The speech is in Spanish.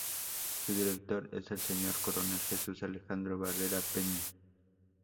Su director es el señor Coronel Jesús Alejandro Barrera Peña.